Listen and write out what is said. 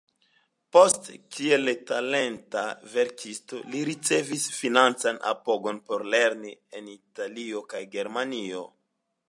Poste, kiel talenta verkisto, li ricevis financan apogon por lerni en Italio kaj Germanio.